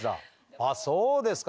あっそうですか。